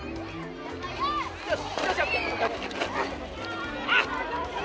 よし！